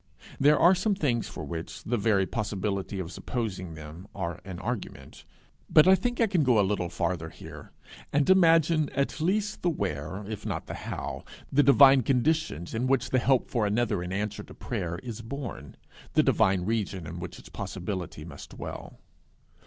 There are some things for which the very possibility of supposing them are an argument; but I think I can go a little farther here, and imagine at least the where if not the how, the divine conditions in which the help for another in answer to prayer is born, the divine region in which its possibility must dwell.